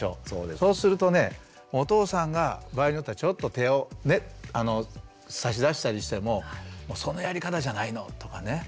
そうするとねお父さんが場合によってはちょっと手を差し出したりしても「そのやり方じゃないの！」とかね